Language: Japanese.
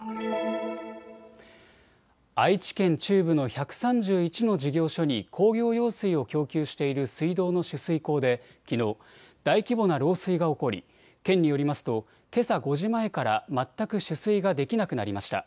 愛知県中部の１３１の事業所に工業用水を供給している水道の取水口できのう大規模な漏水が起こり県によりますとけさ５時前から全く取水ができなくなりました。